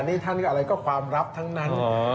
นี่ท่านก็อะไรก็ความลับทั้งนั้น